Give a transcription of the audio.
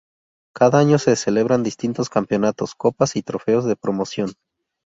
Cada año se celebran distintos campeonatos, copas y trofeos de promoción.